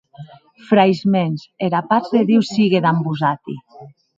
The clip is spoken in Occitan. Frairs mèns, era patz de Diu sigue damb vosati.